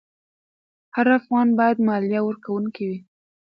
هر افغان باید مالیه ورکوونکی وي.